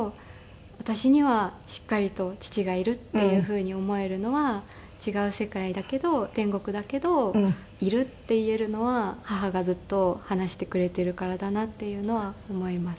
私にはしっかりと父がいるっていうふうに思えるのは違う世界だけど天国だけど「いる」って言えるのは母がずっと話してくれているからだなっていうのは思います。